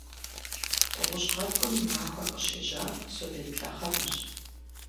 Гъущӏ гъэткӏум и махуэр къыщежьар совет лъэхъэнэрщ.